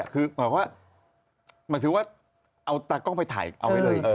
คือหมายว่าหมายถึงว่าเอาตากล้องไปถ่ายเอาไว้เลย